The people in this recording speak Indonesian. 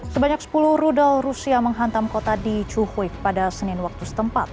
sebanyak sepuluh rudal rusia menghantam kota di chui pada senin waktu setempat